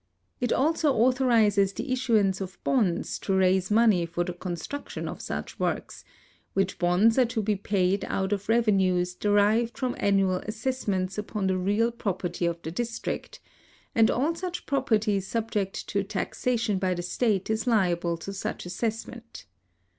It also authorizes the issuance of bonds to raise money for the construc tion of such works, which bonds are to be paid out of revenues derived from ainiual assessments upon the real property of the district, and all such property subject to taxation by the state is liable to such assessment.